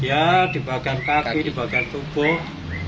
ya di bagian kaki di bagian tubuh